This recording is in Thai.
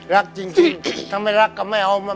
รักจริงถ้าไม่รักก็ไม่เอามา